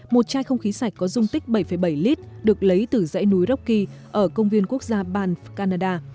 một chai không khí sạch có dung tích bảy bảy lít được lấy từ dãy núi rocky ở công viên quốc gia ban canada